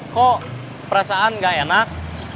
kok perasaan gak enak